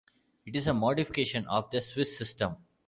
It is a modification of the Swiss system.